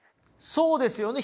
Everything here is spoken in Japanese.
そうですよね。